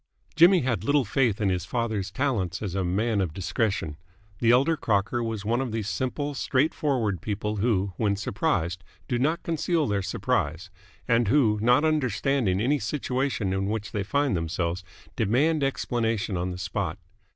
Jimmy had little faith in his father's talents as a man of discretion. The elder Crocker was one of those simple, straight forward people who, when surprised, do not conceal their surprise, and who, not understanding any situation in which they find themselves, demand explanation on the spot.